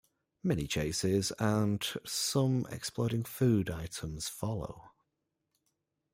Many chases and some exploding food items follow.